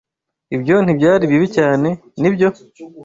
Ibyo ntibyari bibi cyane, nibyo?